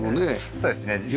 そうですね。